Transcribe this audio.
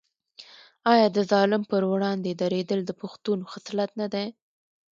آیا د ظالم پر وړاندې دریدل د پښتون خصلت نه دی؟